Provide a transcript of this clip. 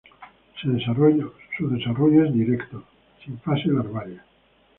Su desarrollo es directo, sin fase larvaria.